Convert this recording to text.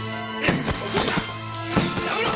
やめろ！